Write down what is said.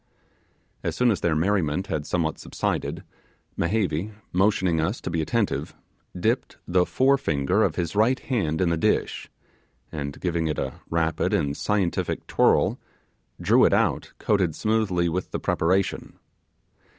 As soon as their merriment had somewhat subsided, Mehevi, motioning us to be attentive, dipped the forefinger of his right hand in the dish, and giving it a rapid and scientific twirl, drew it out coated smoothly with the preparation.